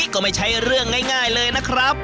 ก็ไม่ใช่เรื่องง่ายเลยนะครับ